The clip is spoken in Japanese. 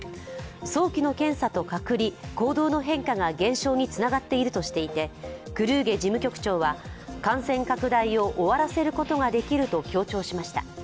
早期の検査と隔離、行動の変化が減少につながっているとしていて、クルーゲ事務局長は、感染拡大を終わらせることができると強調しました。